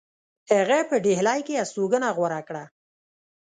هغه په ډهلی کې هستوګنه غوره کړه.